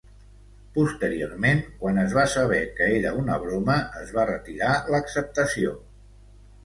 Posteriorment, quan es va saber que era una broma, es va retirar l'acceptació.